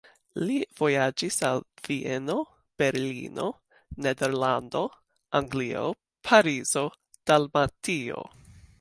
Li vojaĝis al Vieno, Berlino, Nederlando, Anglio, Parizo, Dalmatio.